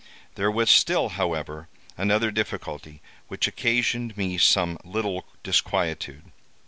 "There was still, however, another difficulty, which occasioned me some little disquietude.